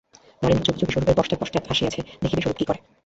নরেন্দ্র চুপিচুপি স্বরূপের পশ্চাৎ পশ্চাৎ আসিয়াছে, দেখিবে স্বরূপ কী করে।